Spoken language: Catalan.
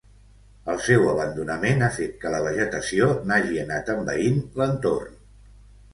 El seu abandonament ha fet que la vegetació n'hagi anat envaint l'entorn.